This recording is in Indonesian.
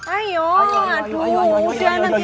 ayo aduh udah nanti aja